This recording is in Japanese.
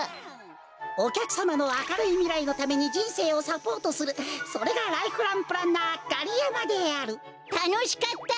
おきゃくさまのあかるいみらいのためにじんせいをサポートするそれがライフランプランナーガリヤマであるたのしかった！